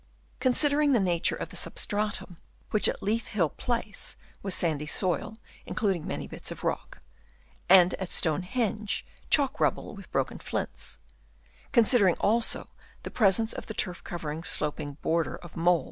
Considering the nature of the substratum, which at Leith Hill Place was sandy soil including many bits of rock, and at Stonehenge, chalk rubble with broken flints; considering, also, the presence of the turf covered sloping border of mould Chap.